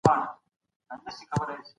نفرتونه بايد له منځه لاړ سي.